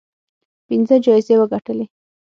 پنځه جایزې وګټلې